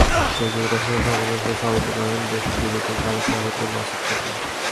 প্রতিযোগিতা শেষে সমাপনী অনুষ্ঠানের সভাপতিত্ব করেন দৃষ্টি ডিবেটিং ক্লাবের সভাপতি মাসুদ বকুল।